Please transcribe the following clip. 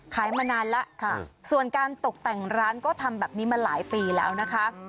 มานานแล้วส่วนการตกแต่งร้านก็ทำแบบนี้มาหลายปีแล้วนะคะ